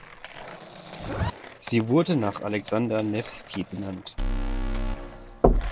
Sie wurde nach Alexander Newski benannt.